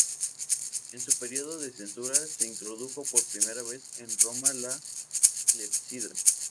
En su periodo de censura se introdujo por primera vez en Roma la clepsidra.